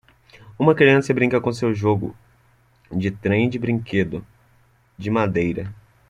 Uma criança brinca com seu jogo de trem de brinquedo de madeira.